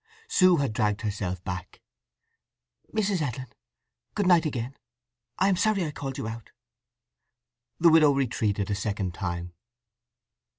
Sue had dragged herself back. "Mrs. Edlin, good night again! I am sorry I called you out." The widow retreated a second time.